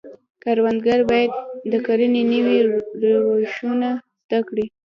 کروندګر باید د کرنې نوي روشونه زده کړي.